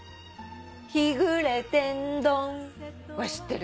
「日暮れ天丼」は知ってる。